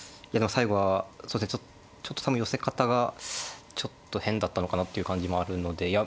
最後はそうですねちょっと多分寄せ方がちょっと変だったのかなっていう感じもあるのでいや